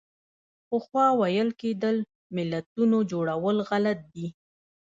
پخوا ویل کېدل ملتونو جوړول غلط دي.